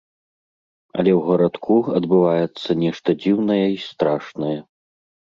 Але ў гарадку адбываецца нешта дзіўнае й страшнае.